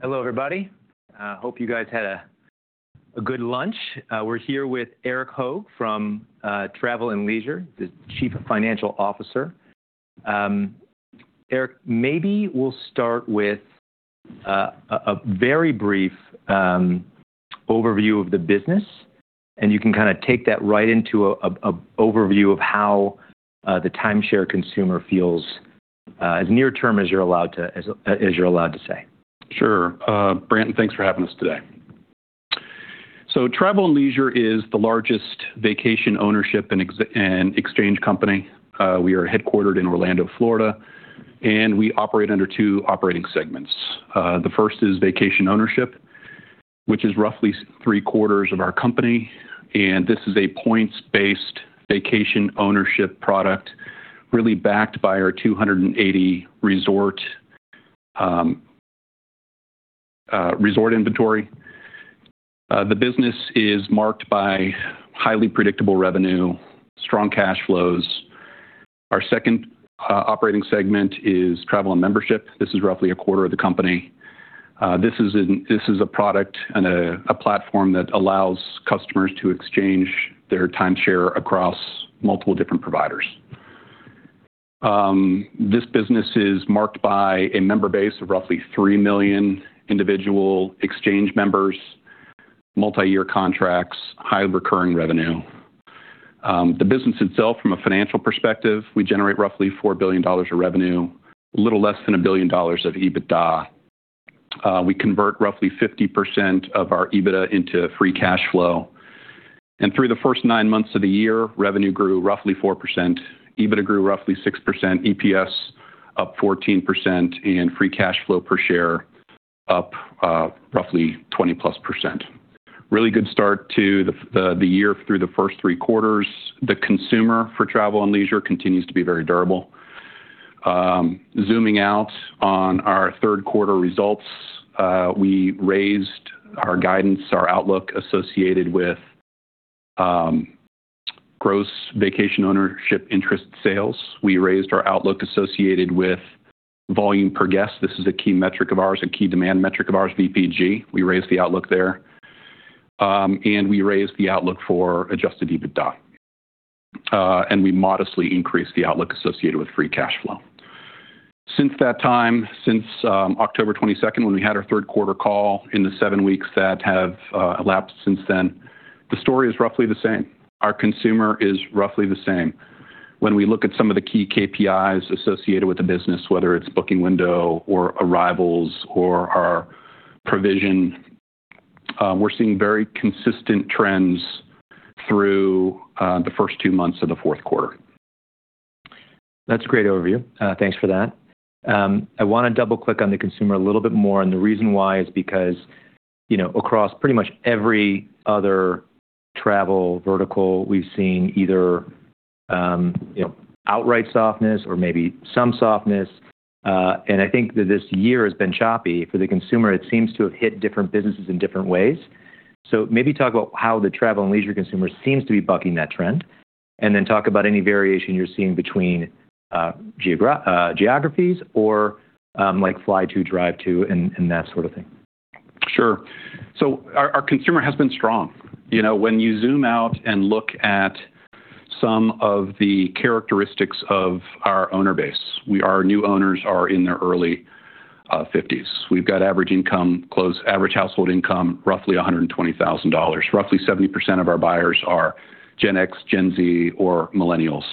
Hello, everybody. Hope you guys had a good lunch. We're here with Erik Hoag from Travel + Leisure, the Chief Financial Officer. Erik, maybe we'll start with a very brief overview of the business, and you can kind of take that right into an overview of how the timeshare consumer feels as near-term as you're allowed to say. Sure. Brandt, thanks for having us today. So Travel + Leisure is the largest vacation ownership and exchange company. We are headquartered in Orlando, Florida, and we operate under two operating segments. The first is vacation ownership, which is roughly three-quarters of our company. And this is a points-based vacation ownership product, really backed by our 280 resort inventory. The business is marked by highly predictable revenue, strong cash flows. Our second operating segment is travel and membership. This is roughly a quarter of the company. This is a product and a platform that allows customers to exchange their timeshare across multiple different providers. This business is marked by a member base of roughly 3 million individual exchange members, multi-year contracts, high recurring revenue. The business itself, from a financial perspective, we generate roughly $4 billion of revenue, a little less than a billion dollars of EBITDA. We convert roughly 50% of our EBITDA into free cash flow, and through the first nine months of the year, revenue grew roughly 4%. EBITDA grew roughly 6%, EPS up 14%, and free cash flow per share up roughly 20-plus%. Really good start to the year through the first three quarters. The consumer for Travel + Leisure continues to be very durable. Zooming out on our third quarter results, we raised our guidance, our outlook associated with gross vacation ownership interest sales. We raised our outlook associated with volume per guest. This is a key metric of ours, a key demand metric of ours, VPG. We raised the outlook there, and we raised the outlook for Adjusted EBITDA, and we modestly increased the outlook associated with free cash flow. Since that time, since October 22nd, when we had our third quarter call in the seven weeks that have elapsed since then, the story is roughly the same. Our consumer is roughly the same. When we look at some of the key KPIs associated with the business, whether it's booking window or arrivals or our provision, we're seeing very consistent trends through the first two months of the fourth quarter. That's a great overview. Thanks for that. I want to double-click on the consumer a little bit more, and the reason why is because across pretty much every other travel vertical, we've seen either outright softness or maybe some softness, and I think that this year has been choppy for the consumer, it seems to have hit different businesses in different ways, so maybe talk about how the travel and leisure consumer seems to be bucking that trend, and then talk about any variation you're seeing between geographies or fly-to, drive-to, and that sort of thing. Sure. So our consumer has been strong. When you zoom out and look at some of the characteristics of our owner base, our new owners are in their early 50s. We've got average income, average household income, roughly $120,000. Roughly 70% of our buyers are Gen X, Gen Z, or millennials.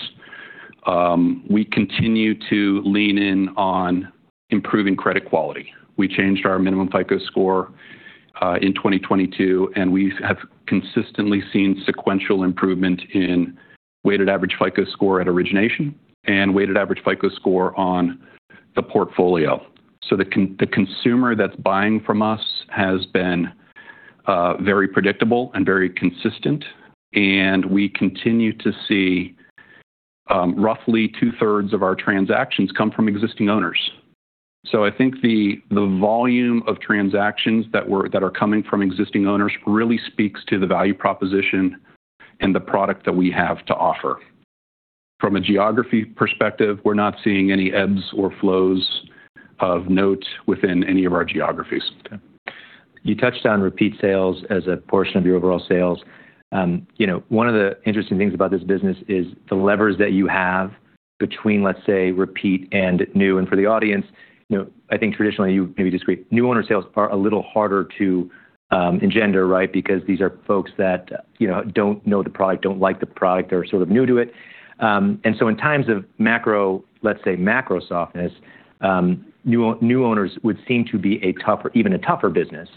We continue to lean in on improving credit quality. We changed our minimum FICO score in 2022, and we have consistently seen sequential improvement in weighted average FICO score at origination and weighted average FICO score on the portfolio. So the consumer that's buying from us has been very predictable and very consistent. And we continue to see roughly two-thirds of our transactions come from existing owners. So I think the volume of transactions that are coming from existing owners really speaks to the value proposition and the product that we have to offer. From a geography perspective, we're not seeing any ebbs and flows of note within any of our geographies. You touched on repeat sales as a portion of your overall sales. One of the interesting things about this business is the levers that you have between, let's say, repeat and new. And for the audience, I think traditionally, you maybe disagree, new owner sales are a little harder to engender, right, because these are folks that don't know the product, don't like the product, they're sort of new to it. And so in times of macro, let's say, macro softness, new owners would seem to be a tougher, even a tougher business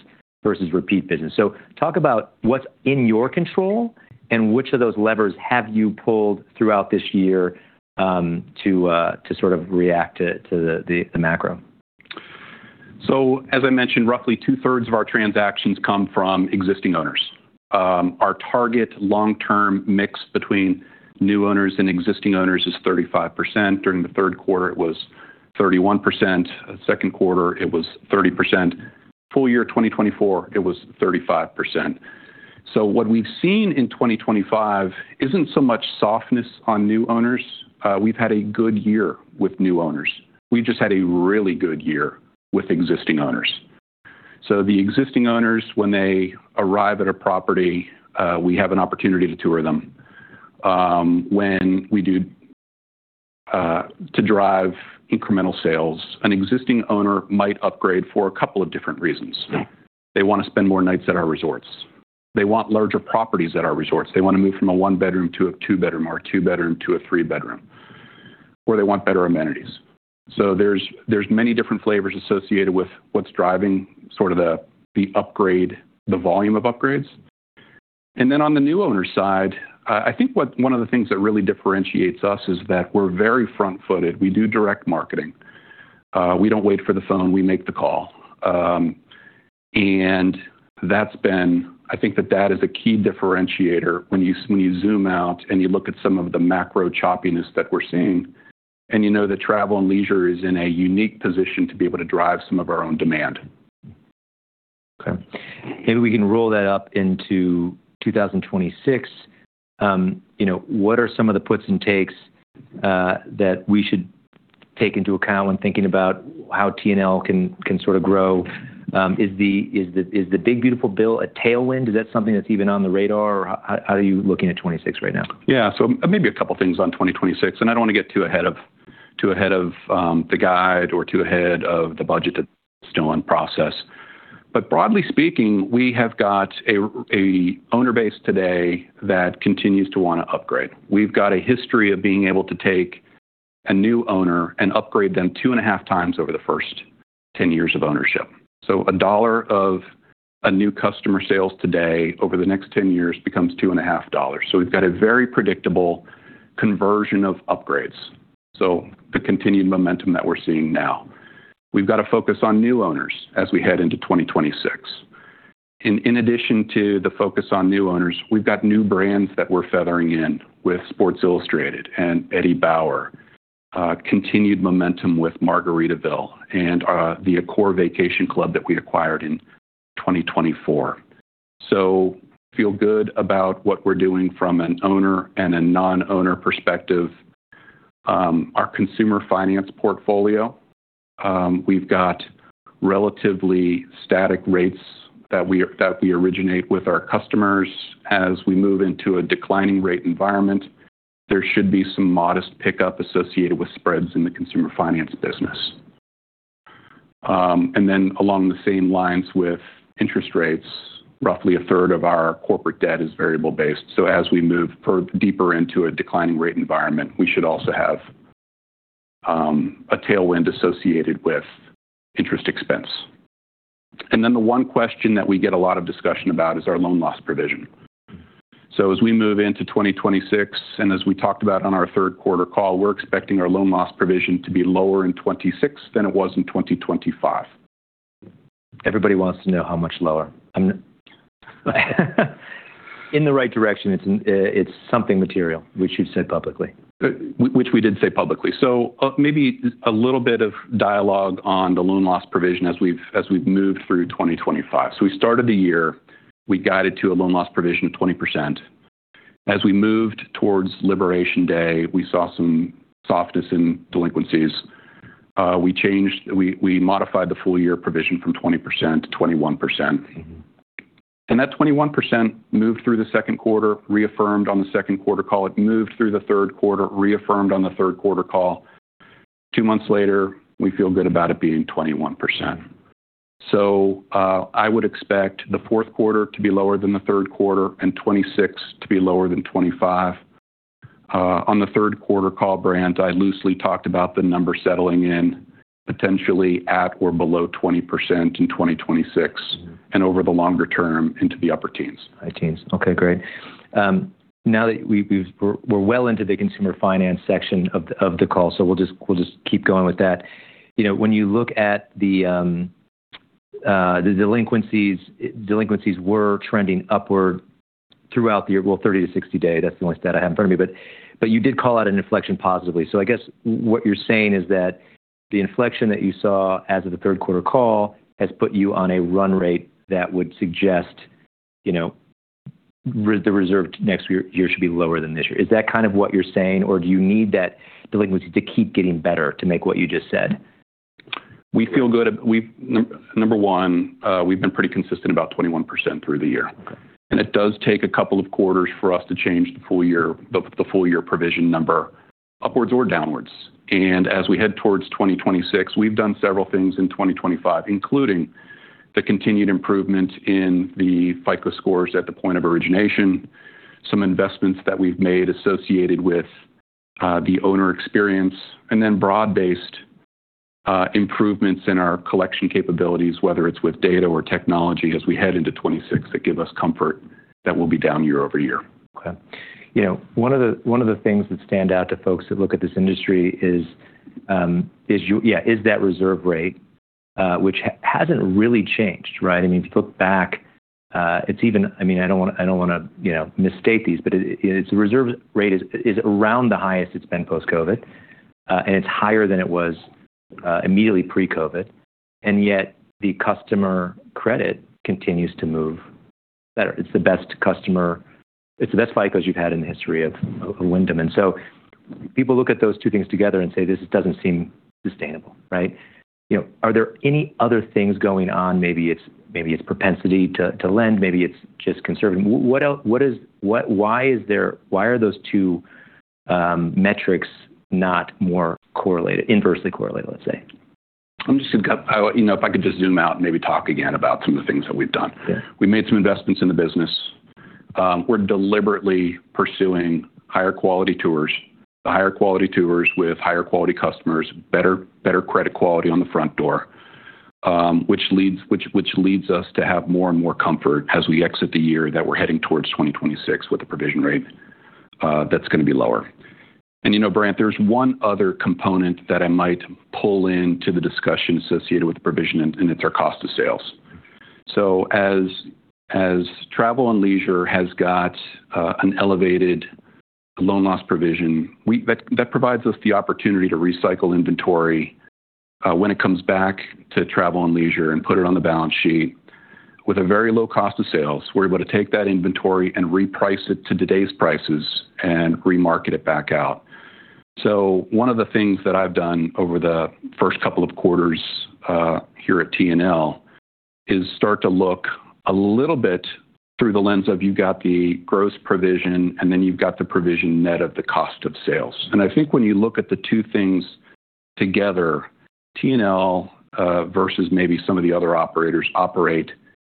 versus repeat business. So talk about what's in your control and which of those levers have you pulled throughout this year to sort of react to the macro. So as I mentioned, roughly two-thirds of our transactions come from existing owners. Our target long-term mix between new owners and existing owners is 35%. During the third quarter, it was 31%. The second quarter, it was 30%. Full year 2024, it was 35%. So what we've seen in 2025 isn't so much softness on new owners. We've had a good year with new owners. We've just had a really good year with existing owners. So the existing owners, when they arrive at a property, we have an opportunity to tour them. When we do to drive incremental sales, an existing owner might upgrade for a couple of different reasons. They want to spend more nights at our resorts. They want larger properties at our resorts. They want to move from a one-bedroom to a two-bedroom or a two-bedroom to a three-bedroom, or they want better amenities. So there's many different flavors associated with what's driving sort of the upgrade, the volume of upgrades. And then on the new owner side, I think one of the things that really differentiates us is that we're very front-footed. We do direct marketing. We don't wait for the phone. We make the call. And that's been, I think that that is a key differentiator when you zoom out and you look at some of the macro choppiness that we're seeing, and you know that Travel + Leisure is in a unique position to be able to drive some of our own demand. Okay. Maybe we can roll that up into 2026. What are some of the puts and takes that we should take into account when thinking about how T&L can sort of grow? Is the big, beautiful bill a tailwind? Is that something that's even on the radar? Or how are you looking at 2026 right now? Yeah. So maybe a couple of things on 2026. And I don't want to get too ahead of the guide or too ahead of the budget that's still in process. But broadly speaking, we have got an owner base today that continues to want to upgrade. We've got a history of being able to take a new owner and upgrade them two and a half times over the first 10 years of ownership. So $1 of a new customer sales today over the next 10 years becomes $2.50. So we've got a very predictable conversion of upgrades, so the continued momentum that we're seeing now. We've got to focus on new owners as we head into 2026. In addition to the focus on new owners, we've got new brands that we're feathering in with Sports Illustrated and Eddie Bauer, continued momentum with Margaritaville and the Accor Vacation Club that we acquired in 2024. So feel good about what we're doing from an owner and a non-owner perspective. Our consumer finance portfolio, we've got relatively static rates that we originate with our customers. As we move into a declining rate environment, there should be some modest pickup associated with spreads in the consumer finance business. And then along the same lines with interest rates, roughly a third of our corporate debt is variable-based. So as we move deeper into a declining rate environment, we should also have a tailwind associated with interest expense. And then the one question that we get a lot of discussion about is our loan loss provision. So as we move into 2026, and as we talked about on our third quarter call, we're expecting our loan loss provision to be lower in 2026 than it was in 2025. Everybody wants to know how much lower. In the right direction, it's something material, which you've said publicly. Which we did say publicly. So maybe a little bit of dialogue on the loan loss provision as we've moved through 2025. So we started the year, we guided to a loan loss provision of 20%. As we moved towards Liberation Day, we saw some softness in delinquencies. We modified the full-year provision from 20% to 21%. And that 21% moved through the second quarter, reaffirmed on the second quarter call, it moved through the third quarter, reaffirmed on the third quarter call. Two months later, we feel good about it being 21%. So I would expect the fourth quarter to be lower than the third quarter and 2026 to be lower than 2025. On the third quarter call, Brand, I loosely talked about the number settling in potentially at or below 20% in 2026 and over the longer term into the upper teens. Upper teens. Okay, great. Now that we're well into the consumer finance section of the call, so we'll just keep going with that. When you look at the delinquencies, delinquencies were trending upward throughout the, well, 30- to 60-day. That's the only stat I have in front of me. But you did call out an inflection positively. So I guess what you're saying is that the inflection that you saw as of the third quarter call has put you on a run rate that would suggest the reserve next year should be lower than this year. Is that kind of what you're saying, or do you need that delinquency to keep getting better to make what you just said? We feel good. Number one, we've been pretty consistent about 21% through the year, and it does take a couple of quarters for us to change the full-year provision number upwards or downwards. As we head towards 2026, we've done several things in 2025, including the continued improvement in the FICO scores at the point of origination, some investments that we've made associated with the owner experience, and then broad-based improvements in our collection capabilities, whether it's with data or technology as we head into 2026 that give us comfort that will be down year over year. Okay. One of the things that stand out to folks that look at this industry is, yeah, is that reserve rate, which hasn't really changed, right? I mean, if you look back, it's even, I mean, I don't want to misstate these, but the reserve rate is around the highest it's been post-COVID, and it's higher than it was immediately pre-COVID. And yet the customer credit continues to move better. It's the best customer, it's the best FICOs you've had in the history of Wyndham. And so people look at those two things together and say, "This doesn't seem sustainable," right? Are there any other things going on? Maybe it's propensity to lend, maybe it's just conservative. Why are those two metrics not more correlated, inversely correlated, let's say? If I could just zoom out and maybe talk again about some of the things that we've done. We made some investments in the business. We're deliberately pursuing higher quality tours, the higher quality tours with higher quality customers, better credit quality on the front door, which leads us to have more and more comfort as we exit the year that we're heading towards 2026 with a provision rate that's going to be lower. And you know, Brand, there's one other component that I might pull into the discussion associated with the provision, and it's our cost of sales. So as Travel + Leisure has got an elevated loan loss provision, that provides us the opportunity to recycle inventory when it comes back to Travel + Leisure and put it on the balance sheet with a very low cost of sales. We're able to take that inventory and reprice it to today's prices and remarket it back out. So one of the things that I've done over the first couple of quarters here at T&L is start to look a little bit through the lens of you've got the gross provision, and then you've got the provision net of the cost of sales. And I think when you look at the two things together, T&L versus maybe some of the other operators, operate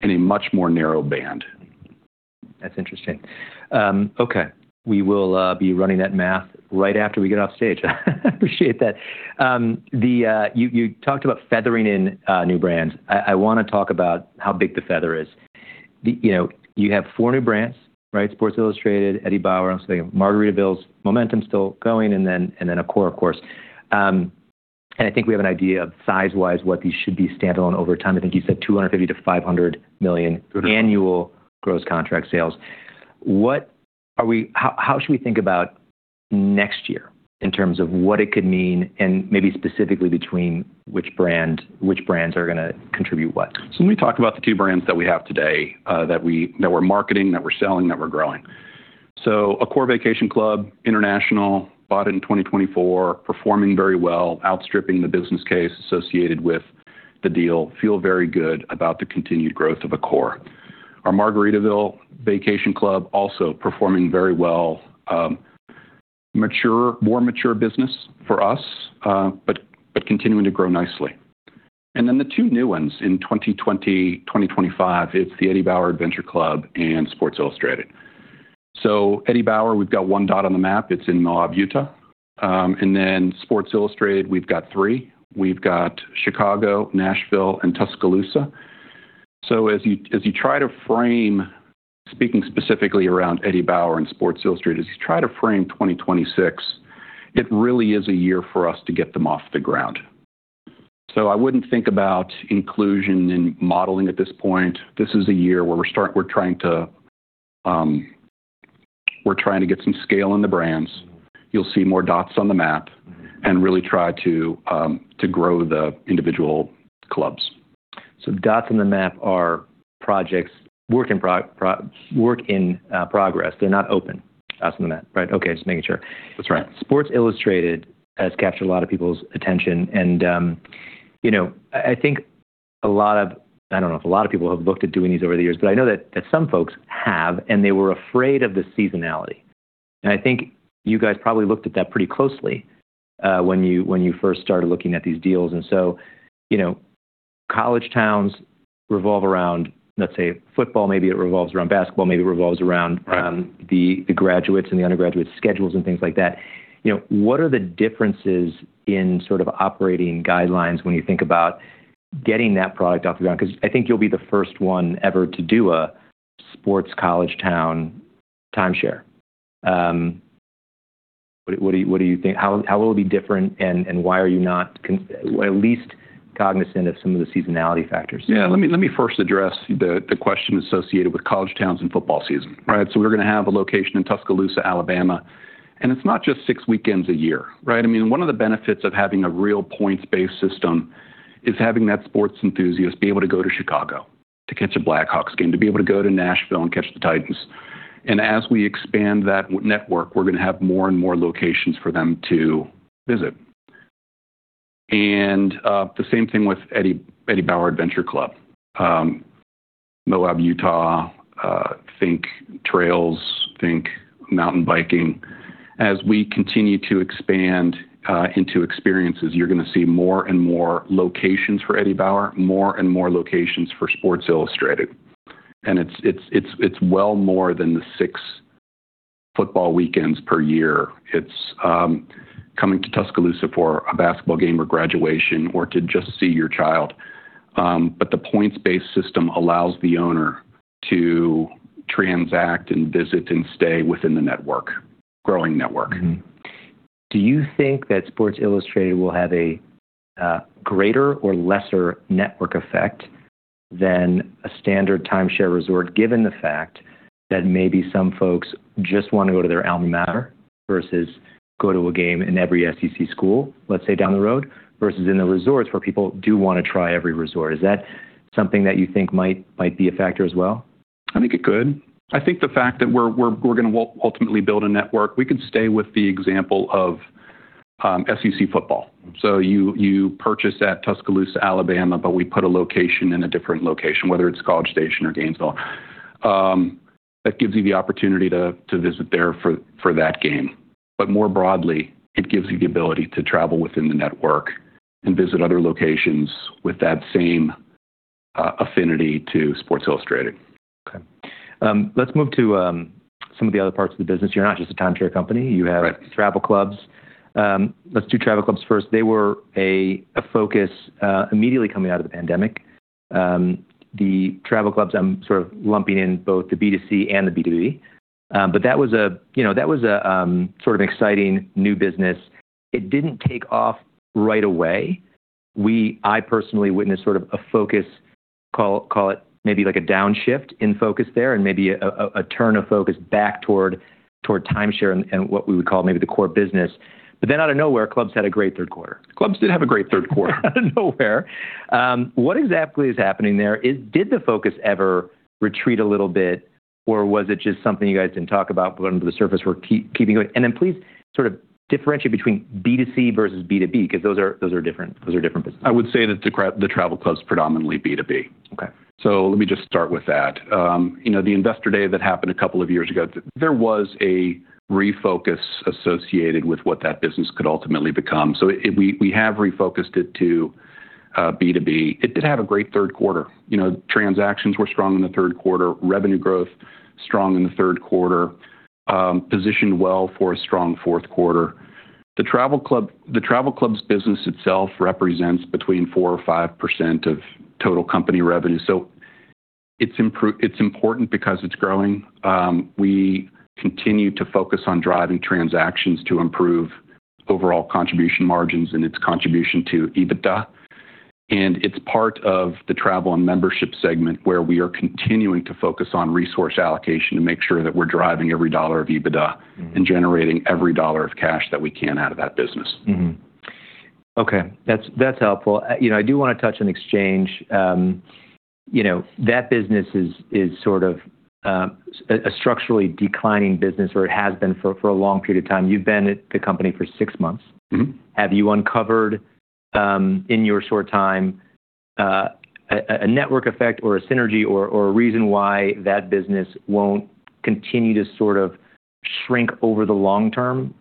in a much more narrow band. That's interesting. Okay. We will be running that math right after we get off stage. I appreciate that. You talked about feathering in new brands. I want to talk about how big the feather is. You have four new brands, right? Sports Illustrated, Eddie Bauer, I'm saying Margaritaville's, Momentum still going, and then Accor, of course. And I think we have an idea of size-wise what these should be standalone over time. I think you said $250 million-$500 million annual gross contract sales. How should we think about next year in terms of what it could mean and maybe specifically between which brands are going to contribute what? So let me talk about the two brands that we have today that we're marketing, that we're selling, that we're growing. So Accor Vacation Club International bought it in 2024, performing very well, outstripping the business case associated with the deal, feel very good about the continued growth of Accor. Our Margaritaville Vacation Club also performing very well, more mature business for us, but continuing to grow nicely. And then the two new ones in 2020, 2025, it's the Eddie Bauer Adventure Club and Sports Illustrated. So Eddie Bauer, we've got one dot on the map. It's in Moab, Utah. And then Sports Illustrated, we've got three. We've got Chicago, Nashville, and Tuscaloosa. So as you try to frame, speaking specifically around Eddie Bauer and Sports Illustrated, as you try to frame 2026, it really is a year for us to get them off the ground. I wouldn't think about inclusion and modeling at this point. This is a year where we're trying to get some scale in the brands. You'll see more dots on the map and really try to grow the individual clubs. So, dots on the map are projects work in progress. They're not open dots on the map, right? Okay, just making sure. That's right. Sports Illustrated has captured a lot of people's attention. And I think a lot of, I don't know if a lot of people have looked at doing these over the years, but I know that some folks have, and they were afraid of the seasonality. And I think you guys probably looked at that pretty closely when you first started looking at these deals. And so college towns revolve around, let's say, football, maybe it revolves around basketball, maybe it revolves around the graduates and the undergraduates' schedules and things like that. What are the differences in sort of operating guidelines when you think about getting that product off the ground? Because I think you'll be the first one ever to do a sports college town timeshare. What do you think? How will it be different? And why are you not at least cognizant of some of the seasonality factors? Yeah. Let me first address the question associated with college towns and football season, right? So we're going to have a location in Tuscaloosa, Alabama. And it's not just six weekends a year, right? I mean, one of the benefits of having a real points-based system is having that sports enthusiast be able to go to Chicago to catch a Blackhawks game, to be able to go to Nashville and catch the Titans. And as we expand that network, we're going to have more and more locations for them to visit. And the same thing with Eddie Bauer Adventure Club, Moab, Utah, think trails, think mountain biking. As we continue to expand into experiences, you're going to see more and more locations for Eddie Bauer, more and more locations for Sports Illustrated. And it's well more than the six football weekends per year. It's coming to Tuscaloosa for a basketball game or graduation or to just see your child. But the points-based system allows the owner to transact and visit and stay within the network, growing network. Do you think that Sports Illustrated will have a greater or lesser network effect than a standard timeshare resort, given the fact that maybe some folks just want to go to their alma mater versus go to a game in every SEC school, let's say down the road, versus in the resorts where people do want to try every resort? Is that something that you think might be a factor as well? I think it could. I think the fact that we're going to ultimately build a network, we could stay with the example of SEC football. So you purchase at Tuscaloosa, Alabama, but we put a location in a different location, whether it's College Station or Gainesville. That gives you the opportunity to visit there for that game. But more broadly, it gives you the ability to travel within the network and visit other locations with that same affinity to Sports Illustrated. Okay. Let's move to some of the other parts of the business. You're not just a timeshare company. You have travel clubs. Let's do travel clubs first. They were a focus immediately coming out of the pandemic. The travel clubs, I'm sort of lumping in both the B2C and the B2B. But that was a sort of exciting new business. It didn't take off right away. I personally witnessed sort of a focus, call it maybe like a downshift in focus there and maybe a turn of focus back toward timeshare and what we would call maybe the core business. But then out of nowhere, clubs had a great third quarter. Clubs did have a great third quarter. Out of nowhere. What exactly is happening there? Did the focus ever retreat a little bit, or was it just something you guys didn't talk about, but under the surface were keeping going? Then please sort of differentiate between B2C versus B2B, because those are different businesses. I would say that the travel clubs predominantly B2B. So let me just start with that. The investor day that happened a couple of years ago, there was a refocus associated with what that business could ultimately become. So we have refocused it to B2B. It did have a great third quarter. Transactions were strong in the third quarter, revenue growth strong in the third quarter, positioned well for a strong fourth quarter. The travel club's business itself represents between 4% or 5% of total company revenue. So it's important because it's growing. We continue to focus on driving transactions to improve overall contribution margins and its contribution to EBITDA. It's part of the travel and membership segment where we are continuing to focus on resource allocation to make sure that we're driving every dollar of EBITDA and generating every dollar of cash that we can out of that business. Okay. That's helpful. I do want to touch on Exchange. That business is sort of a structurally declining business, or it has been for a long period of time. You've been at the company for six months. Have you uncovered in your short time a network effect or a synergy or a reason why that business won't continue to sort of shrink over the long term?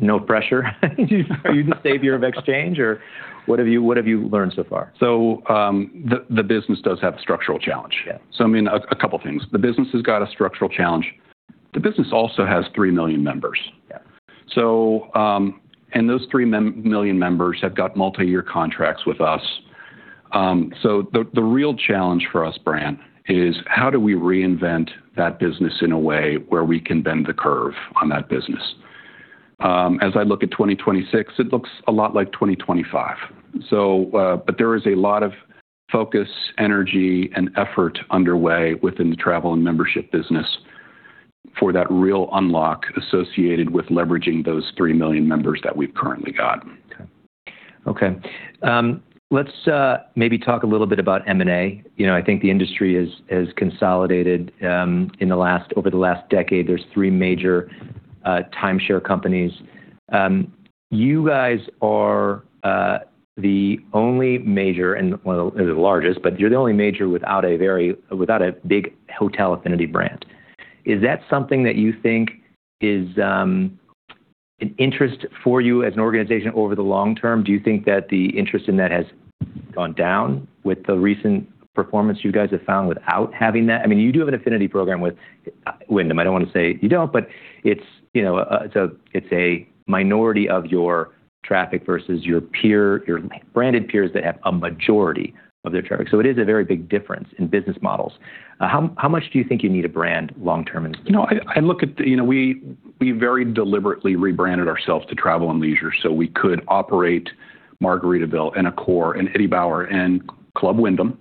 No pressure. Are you the savior of Exchange, or what have you learned so far? The business does have a structural challenge. So I mean, a couple of things. The business has got a structural challenge. The business also has three million members, and those three million members have got multi-year contracts with us. The real challenge for us, Brand, is how do we reinvent that business in a way where we can bend the curve on that business? As I look at 2026, it looks a lot like 2025. There is a lot of focus, energy, and effort underway within the Travel and Membership business for that real unlock associated with leveraging those three million members that we've currently got. Okay. Okay. Let's maybe talk a little bit about M&A. I think the industry has consolidated over the last decade. There's three major timeshare companies. You guys are the only major, and well, the largest, but you're the only major without a big hotel affinity brand. Is that something that you think is an interest for you as an organization over the long term? Do you think that the interest in that has gone down with the recent performance you guys have found without having that? I mean, you do have an affinity program with Wyndham. I don't want to say you don't, but it's a minority of your traffic versus your branded peers that have a majority of their traffic. So it is a very big difference in business models. How much do you think you need a brand long term? I look at how we very deliberately rebranded ourselves to Travel + Leisure so we could operate Margaritaville and Accor and Eddie Bauer and Club Wyndham,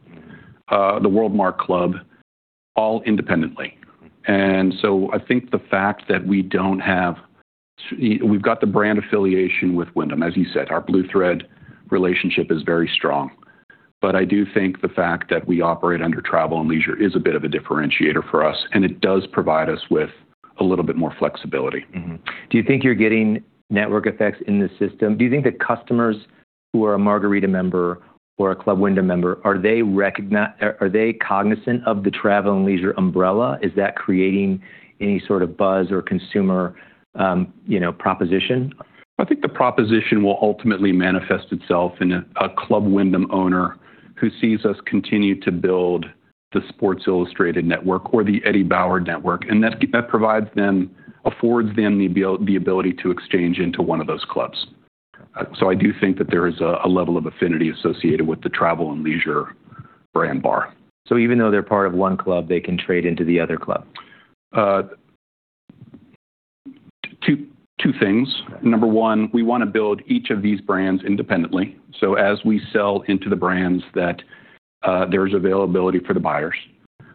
the WorldMark Club, all independently. And so I think the fact that we don't have. We've got the brand affiliation with Wyndham, as you said. Our Blue Thread relationship is very strong. But I do think the fact that we operate under Travel + Leisure is a bit of a differentiator for us, and it does provide us with a little bit more flexibility. Do you think you're getting network effects in the system? Do you think that customers who are a Margaritaville member or a Club Wyndham member, are they cognizant of the Travel + Leisure umbrella? Is that creating any sort of buzz or consumer proposition? I think the proposition will ultimately manifest itself in a Club Wyndham owner who sees us continue to build the Sports Illustrated network or the Eddie Bauer network. And that provides them, affords them the ability to exchange into one of those clubs. So I do think that there is a level of affinity associated with the Travel + Leisure brand bar. So even though they're part of one club, they can trade into the other club? Two things. Number one, we want to build each of these brands independently. So as we sell into the brands, there's availability for the buyers.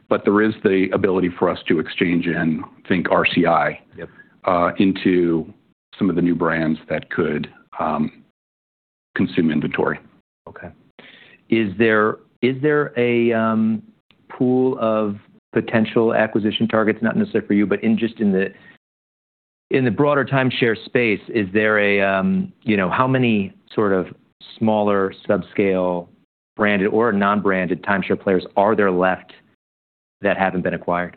But there is the ability for us to exchange in, think RCI, into some of the new brands that could consume inventory. Okay. Is there a pool of potential acquisition targets, not necessarily for you, but just in the broader timeshare space? Is there how many sort of smaller subscale branded or non-branded timeshare players are there left that haven't been acquired?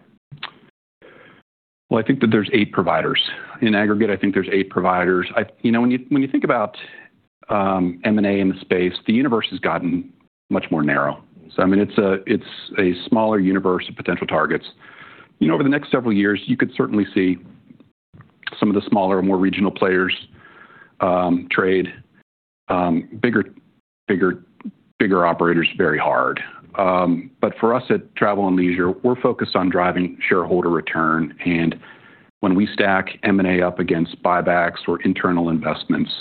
I think that there's eight providers. In aggregate, I think there's eight providers. When you think about M&A in the space, the universe has gotten much more narrow. So I mean, it's a smaller universe of potential targets. Over the next several years, you could certainly see some of the smaller, more regional players trade bigger operators very hard. But for us at Travel + Leisure, we're focused on driving shareholder return. And when we stack M&A up against buybacks or internal investments,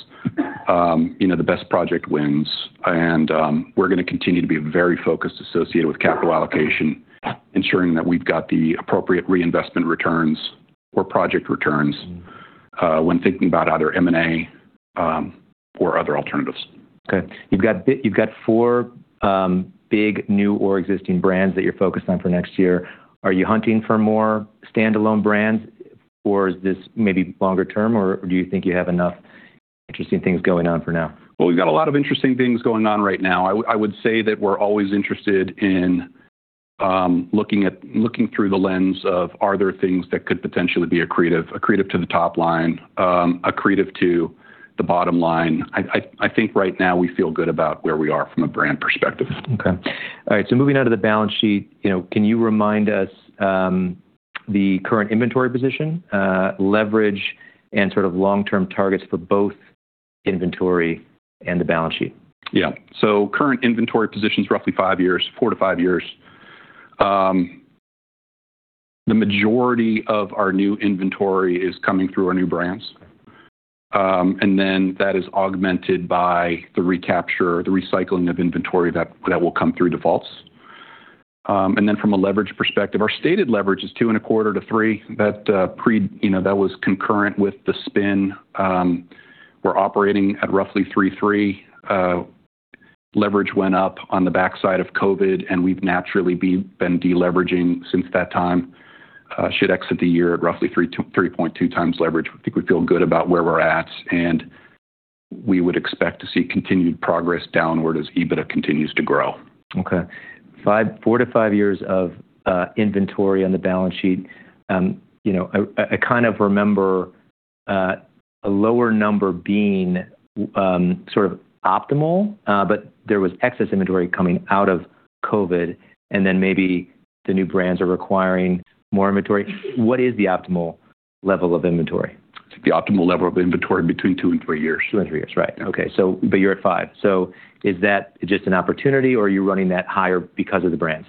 the best project wins. And we're going to continue to be very focused associated with capital allocation, ensuring that we've got the appropriate reinvestment returns or project returns when thinking about either M&A or other alternatives. Okay. You've got four big new or existing brands that you're focused on for next year. Are you hunting for more standalone brands, or is this maybe longer term, or do you think you have enough interesting things going on for now? We've got a lot of interesting things going on right now. I would say that we're always interested in looking through the lens of, are there things that could potentially be accretive to the top line, accretive to the bottom line? I think right now we feel good about where we are from a brand perspective. Okay. All right, so moving out of the balance sheet, can you remind us the current inventory position, leverage, and sort of long-term targets for both inventory and the balance sheet? Yeah, so current inventory positions, roughly four to five years. The majority of our new inventory is coming through our new brands, and then that is augmented by the recapture, the recycling of inventory that will come through defaults, and then from a leverage perspective, our stated leverage is two and a quarter to three. That was concurrent with the spin. We're operating at roughly 3.3. Leverage went up on the backside of COVID, and we've naturally been deleveraging since that time, should exit the year at roughly 3.2 times leverage. I think we feel good about where we're at, and we would expect to see continued progress downward as EBITDA continues to grow. Okay. Four to five years of inventory on the balance sheet. I kind of remember a lower number being sort of optimal, but there was excess inventory coming out of COVID, and then maybe the new brands are requiring more inventory. What is the optimal level of inventory? The optimal level of inventory between two and three years. Two and three years, right? Okay, but you're at five, so is that just an opportunity, or are you running that higher because of the brands?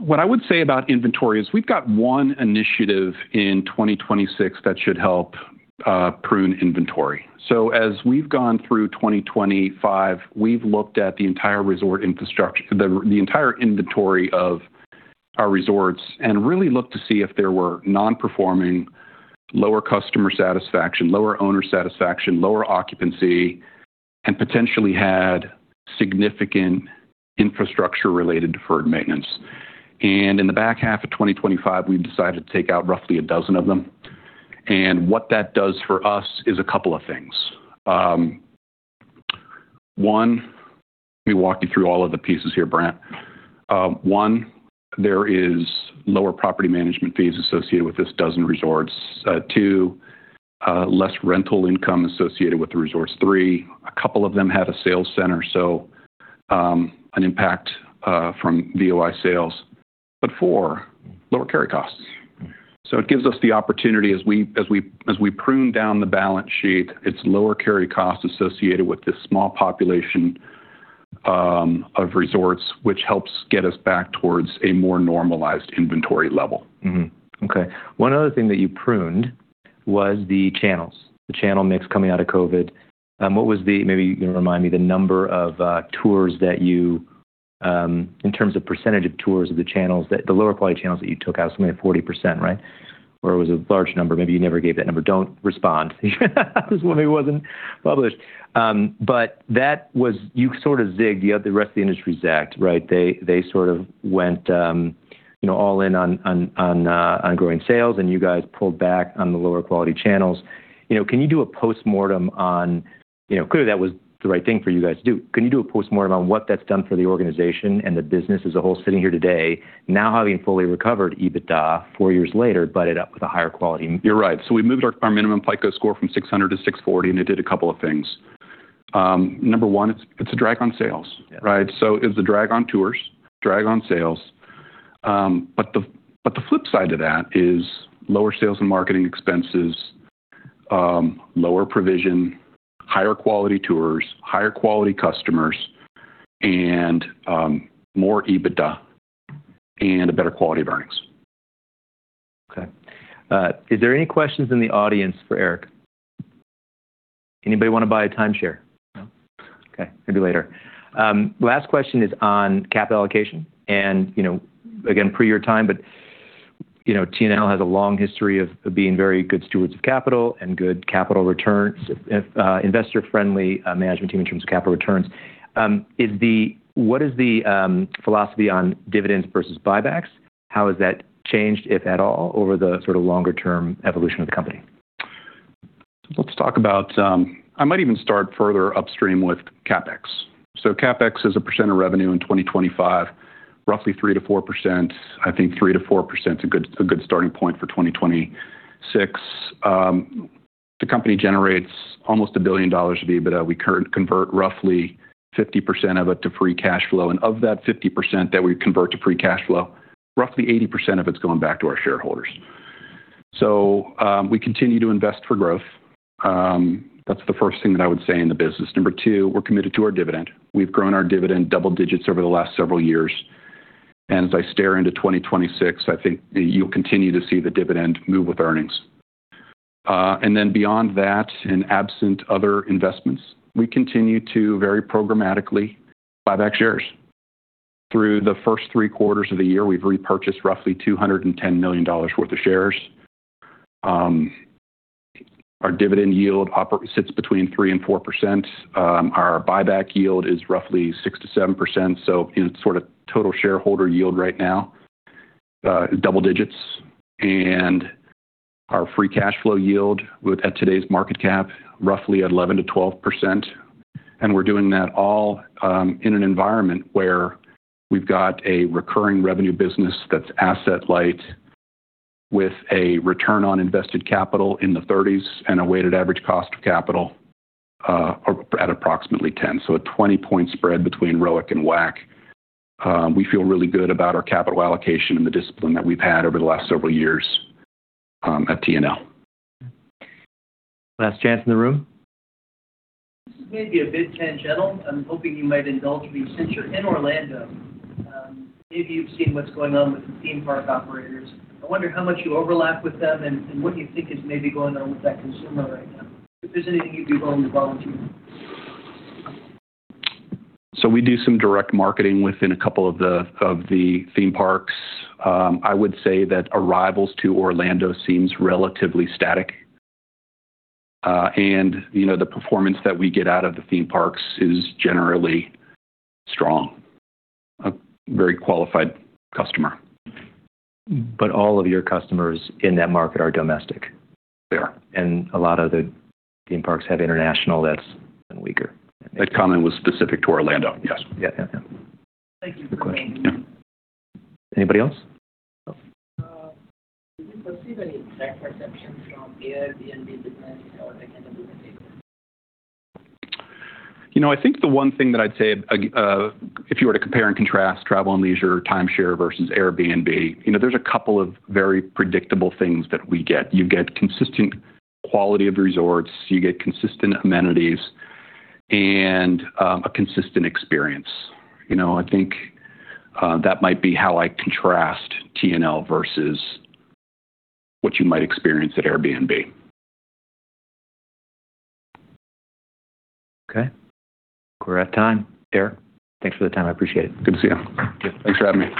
What I would say about inventory is we've got one initiative in 2026 that should help prune inventory. So as we've gone through 2025, we've looked at the entire resort infrastructure, the entire inventory of our resorts, and really looked to see if there were non-performing, lower customer satisfaction, lower owner satisfaction, lower occupancy, and potentially had significant infrastructure-related deferred maintenance. And in the back half of 2025, we've decided to take out roughly a dozen of them. And what that does for us is a couple of things. One, let me walk you through all of the pieces here, Brandt. One, there is lower property management fees associated with this dozen resorts. Two, less rental income associated with the resorts. Three, a couple of them had a sales center, so an impact from VOI sales. But four, lower carry costs. So it gives us the opportunity, as we prune down the balance sheet, it's lower carry costs associated with this small population of resorts, which helps get us back towards a more normalized inventory level. Okay. One other thing that you pruned was the channels, the channel mix coming out of COVID. Maybe you can remind me the number of tours that you, in terms of percentage of tours of the channels, the lower quality channels that you took out, something like 40%, right? Or it was a large number. Maybe you never gave that number. Don't respond. This one maybe wasn't published. But you sort of zigged the rest of the industry's act, right? They sort of went all in on growing sales, and you guys pulled back on the lower quality channels. Can you do a postmortem on, clearly that was the right thing for you guys to do. Can you do a postmortem on what that's done for the organization and the business as a whole sitting here today, now having fully recovered EBITDA four years later, but end up with a higher quality? You're right. So we moved our minimum FICO score from 600 to 640, and it did a couple of things. Number one, it's a drag on sales, right? So it was a drag on tours, drag on sales. But the flip side of that is lower sales and marketing expenses, lower provision, higher quality tours, higher quality customers, and more EBITDA, and a better quality of earnings. Okay. Is there any questions in the audience for Erik? Anybody want to buy a timeshare? No? Okay. Maybe later. Last question is on capital allocation, and again, pre your time, but T&L has a long history of being very good stewards of capital and good capital returns, investor-friendly management team in terms of capital returns. What is the philosophy on dividends versus buybacks? How has that changed, if at all, over the sort of longer-term evolution of the company? Let's talk about. I might even start further upstream with CapEx. So CapEx is a percent of revenue in 2025, roughly 3%-4%. I think 3%-4% is a good starting point for 2026. The company generates almost $1 billion of EBITDA. We convert roughly 50% of it to free cash flow. And of that 50% that we convert to free cash flow, roughly 80% of it's going back to our shareholders. So we continue to invest for growth. That's the first thing that I would say in the business. Number two, we're committed to our dividend. We've grown our dividend double digits over the last several years. And as I stare into 2026, I think you'll continue to see the dividend move with earnings. And then beyond that, in the absence of other investments, we continue to very programmatically buyback shares. Through the first three quarters of the year, we've repurchased roughly $210 million worth of shares. Our dividend yield sits between 3% and 4%. Our buyback yield is roughly 6% to 7%. So sort of total shareholder yield right now is double digits. And our free cash flow yield at today's market cap, roughly 11% to 12%. And we're doing that all in an environment where we've got a recurring revenue business that's asset-light with a return on invested capital in the 30s% and a weighted average cost of capital at approximately 10%. So a 20-point spread between Roik and WAC. We feel really good about our capital allocation and the discipline that we've had over the last several years at T&L. Last chance in the room? This is maybe a bit tangential. I'm hoping you might indulge me. Since you're in Orlando, maybe you've seen what's going on with the theme park operators. I wonder how much you overlap with them and what you think is maybe going on with that consumer right now, if there's anything you'd be willing to volunteer. So we do some direct marketing within a couple of the theme parks. I would say that arrivals to Orlando seems relatively static. And the performance that we get out of the theme parks is generally strong. A very qualified customer. But all of your customers in that market are domestic? They are. A lot of the theme parks have international, that's weaker. That comment was specific to Orlando, yes. Yeah. Yeah. Yeah. Thank you for the question. Anybody else? Do you perceive any bad perceptions from Airbnb business or the kind of business? I think the one thing that I'd say, if you were to compare and contrast Travel + Leisure timeshare versus Airbnb, there's a couple of very predictable things that we get. You get consistent quality of resorts. You get consistent amenities and a consistent experience. I think that might be how I contrast T&L versus what you might experience at Airbnb. Okay. We're at time. Erik, thanks for the time. I appreciate it. Good to see you. Thanks for having me.